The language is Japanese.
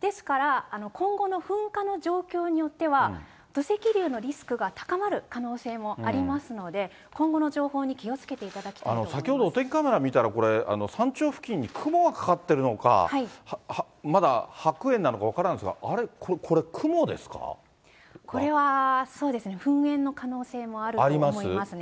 ですから今後の噴火の状況によっては、土石流のリスクが高まる可能性もありますので、今後の情報に気をつけていただきたいと先ほどお天気カメラ見たら、山頂付近、雲がかかってるのか、まだ白煙なのか分からないですが、これはそうですね、噴煙の可あります？